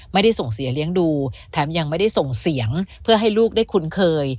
ไม่ได้ส่งเสียเลี้ยงดูแถมยังไม่ได้ส่งเสียงเพื่อให้ลูกได้คุ้นเคย